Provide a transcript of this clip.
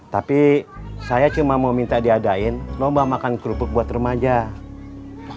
tapi saya cuma mau minta diadain lomba makan kerupuk buat remaja